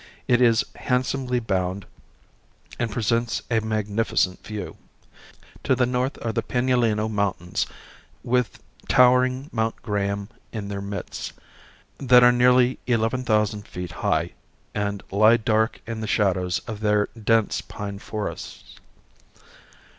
It is handsomely bounded and presents a magnificent view. To the north are the Pinaleno mountains, with towering Mt. Graham in their midst, that are nearly eleven thousand feet high and lie dark in the shadows of their dense pine forests.